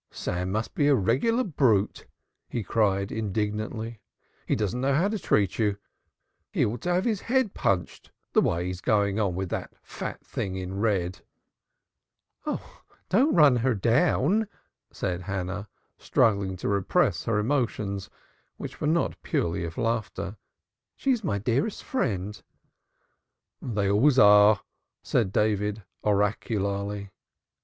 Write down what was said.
"Sam must be a regular brute!" he cried indignantly. "He doesn't know how to treat you. He ought to have his head punched the way he's going on with that fat thing in red." "Oh, don't run her down," said Hannah, struggling to repress her emotions, which were not purely of laughter. "She's my dearest friend." "They always are," said David oracularly.